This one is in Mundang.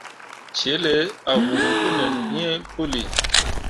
Celle a huu pu nin hi puli.